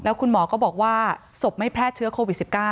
คุณหมอก็บอกว่าศพไม่แพร่เชื้อโควิด๑๙